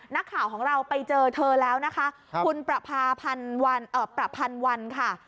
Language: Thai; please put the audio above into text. นักข่าวของเราไปเจอเธอแล้วนะคะคุณปรับพาพันวันเอ่อปรับพันวันค่ะ